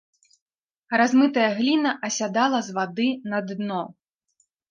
Размытая гліна асядала з вады на дно.